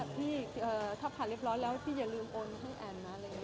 พี่ถ้าผ่านเรียบร้อยแล้วพี่อย่าลืมโอนให้แอ่นมา